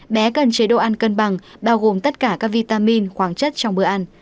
bé cần chế độ ăn cân bằng bao gồm tất cả các vitamin khoáng chất trong bữa ăn